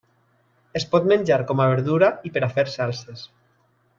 Es pot menjar com a verdura i per a fer salses.